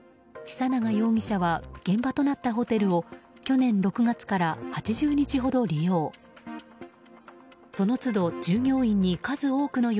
久永容疑者は現場となったホテルを去年６月から８０日ほど利用。